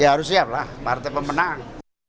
ya harus siap lah partai pemenang